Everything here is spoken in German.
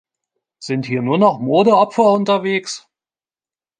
Sind hier nur noch Modeopfer unterwegs?